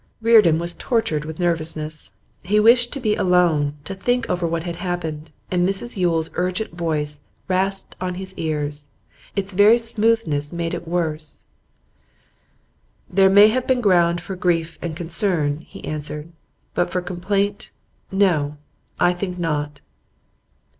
Reardon was tortured with nervousness. He wished to be alone, to think over what had happened, and Mrs Yule's urgent voice rasped upon his ears. Its very smoothness made it worse. 'There may have been ground for grief and concern,' he answered, 'but for complaint, no, I think not.